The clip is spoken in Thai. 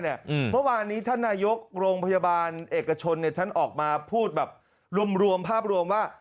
เมื่อวานนี้ท่านนายกโรงพยาบาลเอกชนท่านออกมาพูดแบบรวมภาพรวมว่า